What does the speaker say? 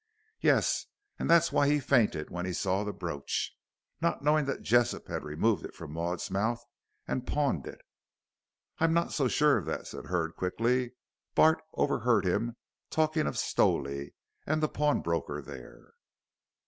"Yes! And that's why he fainted when he saw the brooch. Not knowing that Jessop had removed it from Maud's mouth and pawned it " "I'm not so sure of that," said Hurd, quickly. "Bart overheard him talking of Stowley and the pawnbroker there."